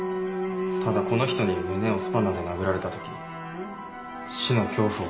ただこの人に胸をスパナで殴られたとき死の恐怖を感じました。